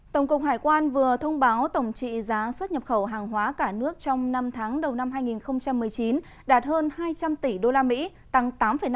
tổng cục hải quan vừa thông báo tổng trị giá xuất nhập khẩu hàng hóa cả nước trong năm tháng đầu năm hai nghìn một mươi chín đạt hơn hai trăm linh tỷ usd tăng tám năm